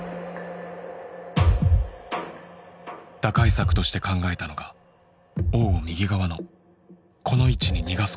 打開策として考えたのが王を右側のこの位置に逃がすこと。